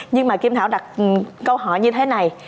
nhưng mà kim thảo đặt câu hỏi như thế này